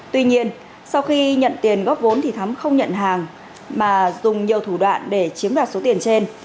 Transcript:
tuy nhiên sau khi nhận tiền góp vốn thì thắm không nhận hàng mà dùng nhiều thủ đoạn để chiếm đoạt số tiền trên